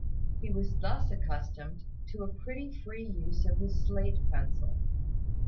He was thus accustomed to a pretty free use of his slate pencil.